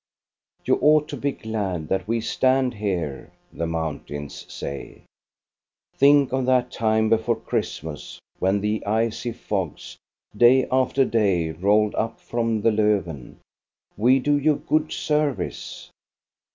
"You ought to be glad that we stand here," the mountains say. "Think of that time before Christ mas, when the icy fogs, day after day, rolled up from the Lofven. We do you good service.